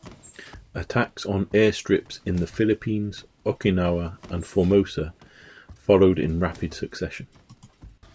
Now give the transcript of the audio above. Attacks on airstrips in the Philippines, Okinawa, and Formosa followed in rapid succession.